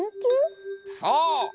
そう！